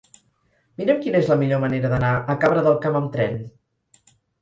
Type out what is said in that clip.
Mira'm quina és la millor manera d'anar a Cabra del Camp amb tren.